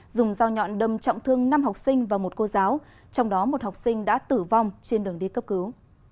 dùng dao nhọn đâm trọng thương năm học sinh và một cô giáo trong đó một học sinh đã tử vong trên đường đi cấp cứu